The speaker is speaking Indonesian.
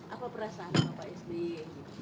apa perasaan pak sby